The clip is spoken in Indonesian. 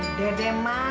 udah deh mak